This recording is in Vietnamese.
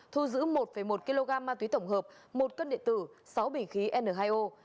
thu giữ một một kg ma túy tổng hợp một cân điện tử sáu bình khí n hai o